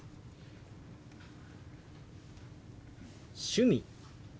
「趣味」。